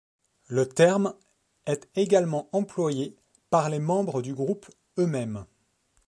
Le terme est également employé par les membres du groupe eux-mêmes.